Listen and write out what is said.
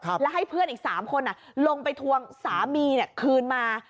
แล้วให้เพื่อนอีก๓คนลงไปทวงสามีคืนมา